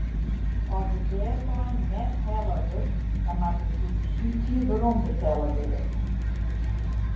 As de deadline net helle wurdt dan moat de subsydzje werombetelle wurde.